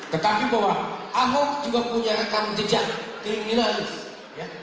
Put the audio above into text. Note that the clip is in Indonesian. tetapi bahwa ahok juga punya rekam jejak kriminal ya